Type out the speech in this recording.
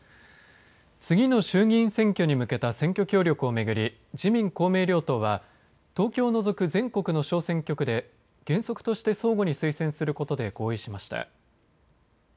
次の衆議院選挙に向けた選挙協力を巡り自民・公明両党は東京を除く全国の小選挙区で原則として相互に推薦することで合意しました。